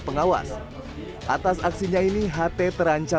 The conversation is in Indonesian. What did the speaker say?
pengawas atas aksinya ini ht terancam